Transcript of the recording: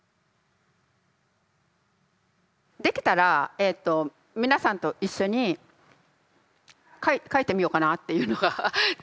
できたら皆さんと一緒に書いてみようかなっていうのがちょっとあって。